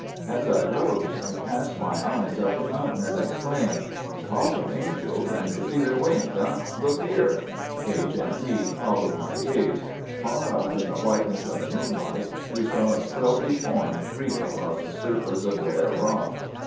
As I rose, I cast my eyes up the mountain, and exclaimed,—. "'Talk of angels and you'll see their wings, eh? Look there!' H—— and Pete followed my gaze. Far up, in the whiteness of the moonlight, we saw a stealthy form creep across a surface of bare rock.